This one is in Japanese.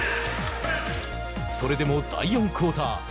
それでも、第４クオーター。